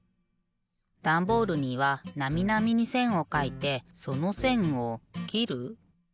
ダンボールにはなみなみにせんをかいてそのせんをきる。